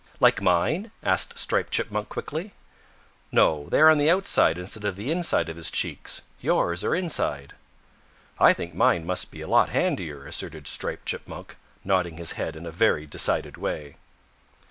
"Like mine?" asked Striped Chipmunk quickly. "No, they are on the outside instead of the inside of his cheeks. Yours are inside." "I think mine must be a lot handier," asserted Striped Chipmunk, nodding his head in a very decided way.